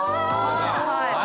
はい。